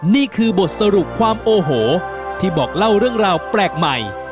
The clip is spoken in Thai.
นี่คือบทสรุปความโอโหที่บอกเล่าเรื่องราวแปลกใหม่